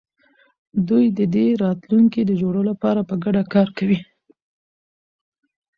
دوی د دې راتلونکي د جوړولو لپاره په ګډه کار کوي.